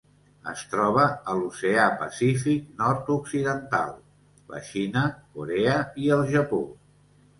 Es troba a l'Oceà Pacífic nord-occidental: la Xina, Corea i el Japó.